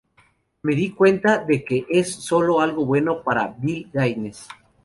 Me di cuenta de que es sólo algo bueno para Bill Gaines.